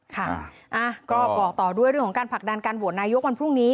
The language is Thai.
ค่ะก็บอกต่อด้วยเรื่องของการผลักดันการโหวตนายกวันพรุ่งนี้